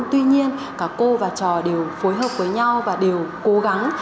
tuy nhiên cả cô và trò đều phối hợp với nhau và đều cố gắng